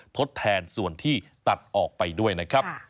ทดแทนส่วนที่ตัดออกไปด้วยนะครับ